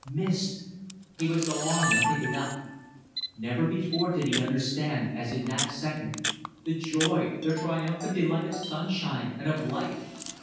... Missed! ... He would go and pick it up now. Never before did he understand, as in that second, the joy, the triumphant delight of sunshine and of life.